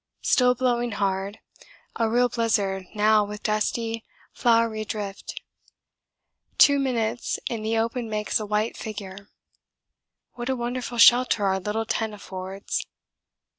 Still blowing hard a real blizzard now with dusty, floury drift two minutes in the open makes a white figure. What a wonderful shelter our little tent affords!